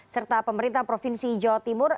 serta pemerintah provinsi jawa timur